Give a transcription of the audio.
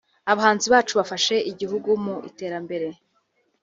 Abahanzi bacu bafasha igihugu mu iterambere